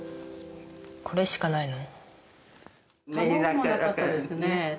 これしかないの？